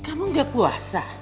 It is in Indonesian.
kamu gak puasa